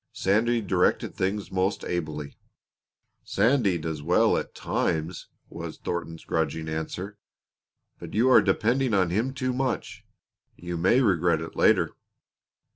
Sandy directed things most ably." "Sandy does well enough at times," was Thornton's grudging answer, "but you are depending on him too much. You may regret it later."